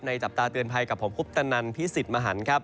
จับตาเตือนภัยกับผมคุปตนันพิสิทธิ์มหันครับ